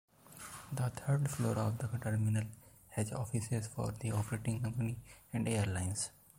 The third floor of the terminal has offices for the operating company and airlines.